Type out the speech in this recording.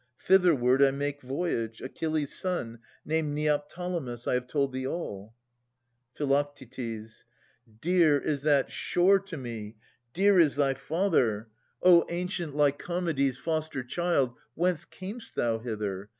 Thitherward I make voyage :— Achilles' son, Named Neoptolemus. — I have told thee all. Phi. Dear is that shore to me, dear is thy father. 276 Philoctetes [243 272 O ancient Lycomedes' foster child, Whence cam'st thou hither